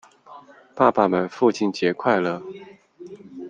爸爸們父親節快樂！